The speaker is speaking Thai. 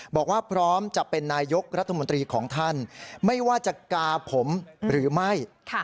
บอกว่าพร้อมจะเป็นนายกรัฐมนตรีของท่านไม่ว่าจะกาผมหรือไม่